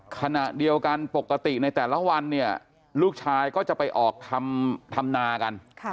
ขณะเดียวกันปกติในแต่ละวันเนี่ยลูกชายก็จะไปออกทำนากัน